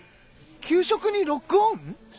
給食にロックオン？